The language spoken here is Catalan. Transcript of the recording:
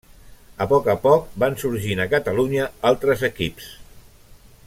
A poc a poc, van sorgint a Catalunya altres equips.